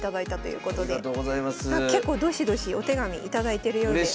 結構どしどしお手紙頂いてるようで。